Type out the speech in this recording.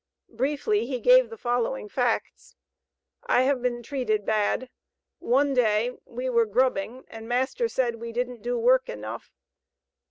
Briefly he gave the following facts: "I have been treated bad. One day we were grubbing and master said we didn't do work enough.